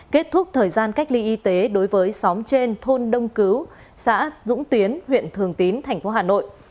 kết thúc thời gian cách ly y tế đối với xóm trên thôn đông cứu xã dũng tiến huyện thường tín thành phố hà nội